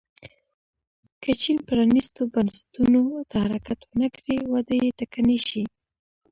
که چین پرانیستو بنسټونو ته حرکت ونه کړي وده یې ټکنۍ شي.